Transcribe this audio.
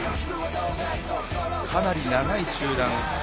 かなり長い中断。